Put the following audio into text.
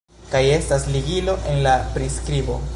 kaj estas ligilo en la priskribo